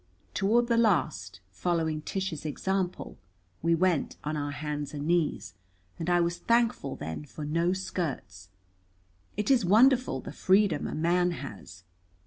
Toward the last, following Tish's example, we went on our hands and knees, and I was thankful then for no skirts. It is wonderful the freedom a man has.